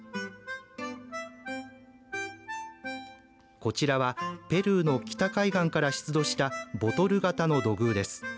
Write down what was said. こちらはペルーの北海岸から出土したボトル型の土偶です。